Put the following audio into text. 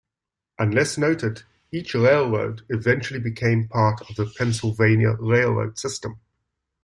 Unless noted, each railroad eventually became part of the Pennsylvania Railroad system.